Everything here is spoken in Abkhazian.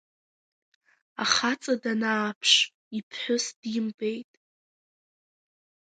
Ахаҵа данааԥш, иԥҳәыс димбыт.